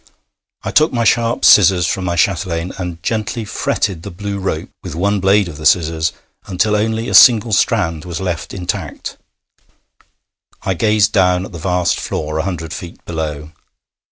I took my sharp scissors from my chatelaine, and gently fretted the blue rope with one blade of the scissors until only a single strand was left intact. I gazed down at the vast floor a hundred feet below.